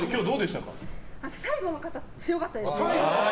最後の方、強かったですね。